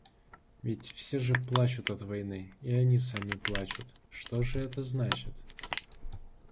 Ведь все же плачут от войны, и они сами плачут, — что же это значит?